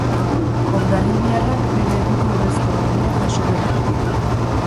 Hondarribiarrak bere herriko urrezko domina jaso berri du.